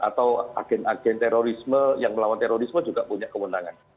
atau agen agen terorisme yang melawan terorisme juga punya kewenangan